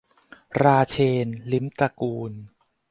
ราเชนทร์ ลิ้มตระกูล